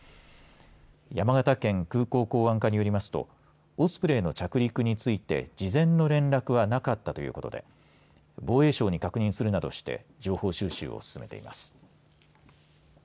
山形県空港港湾課によりますとオスプレイの着陸について事前の連絡はなかったということで防衛省に確認するなどして情報収集を進めています。